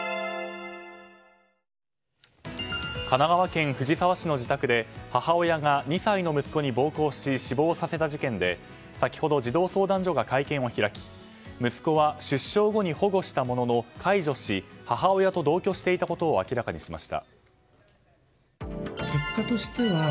神奈川県藤沢市の自宅で母親が２歳の息子に暴行し死亡させた事件で先ほど児童相談所が会見を開き息子は出生後に保護したものの解除し母親と同居していたことを明らかにしました。